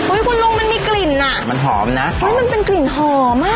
อุ้ยคุณลุงมันมีกลิ่นน่ะมันถอมแล้วมันเป็นกลิ่นหอม